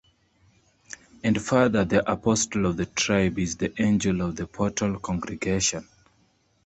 And further: The Apostle of the tribe is the Angel of the portal congregation.